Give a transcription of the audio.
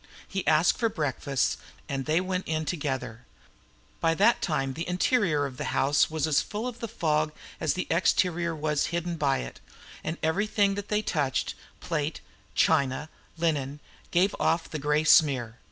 He asked for breakfast, and they went in together. By that time the interior of the house was as full of the fog as the exterior was hidden by it, and everything that they touched plate, china, linen gave off the grey smear.